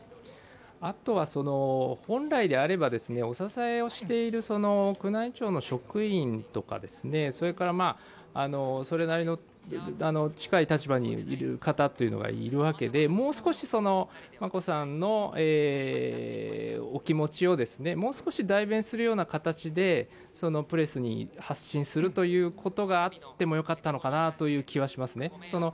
あとは本来であれば、お支えしている宮内庁の職員とかそれから、それなりの近い立場にいる方というのがいるわけでもう少し、眞子さんのお気持ちをもう少し代弁するような形でプレスに発信するいとうことがあってもよかったのかなという気がしますね。